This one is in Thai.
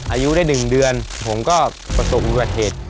อายุได้๑เดือนผมก็ประสบอุบัติเหตุ